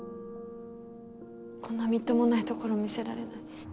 こんなみっともないところ見せられない。